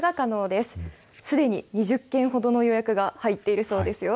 すでに２０件ほどの予約が入っているそうですよ。